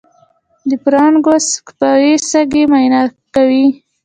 د برونکوسکوپي سږي معاینه کوي.